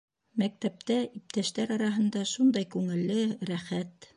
Мәктәптә, иптәштәр араһында шундай күңелле, рәхәт.